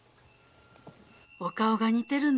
お顔が似てるんですよ。